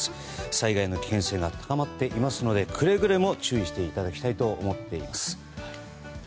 災害の危険性が高まっているのでくれぐれも注意していただきたいと思っています。